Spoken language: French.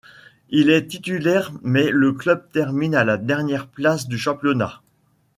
Il y est titulaire mais le club termine à la dernière place du championnat.